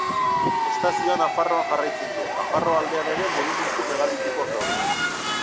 Estazioa Nafarroan jarraitzen du; Nafarroa aldean ere monumentu megalitikoak daude.